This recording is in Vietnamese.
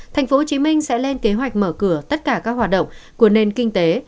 tp hcm sẽ lên kế hoạch mở cửa tất cả các hoạt động của nền kinh tế